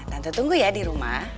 tante tunggu ya di rumah